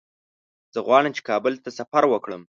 زه غواړم چې کابل ته سفر وکړم.